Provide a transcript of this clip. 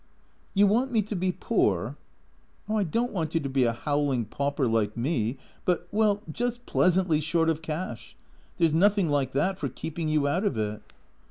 " You want me to be poor ?"" I don't want you to be a howling pauper like me, but, well, just pleasantly short of cash. There 's nothing like that for keeping you out of it."